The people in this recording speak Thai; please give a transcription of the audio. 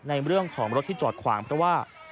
ในเรื่องของรถที่จอดขวางเพราะว่า